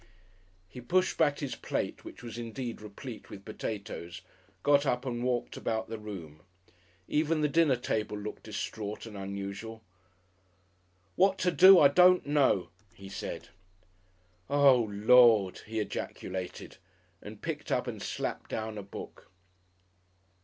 He pushed back his plate, which was indeed replete with potatoes, got up and walked about the room. Even the dinner table looked distraught and unusual. "What to do, I don't know," he said. "Oh, Lord!" he ejaculated, and picked up and slapped down a book.